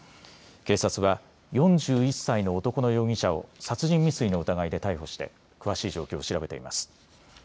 警察は４１歳の男の容疑者を殺人未遂の疑いで逮捕して詳しい状況を調べています。